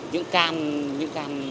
những cam những cam